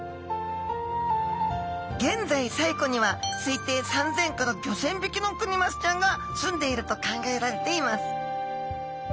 現在西湖には推定３，０００５，０００匹のクニマスちゃんがすんでいると考えられています。